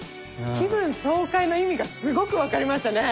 「気分爽快」の意味がすごく分かりましたね。